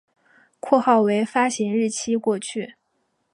括号为发行日期过去